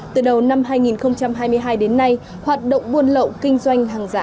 từ đầu năm hai nghìn hai mươi hai đến nay hoạt động buôn lậu kinh doanh hàng giả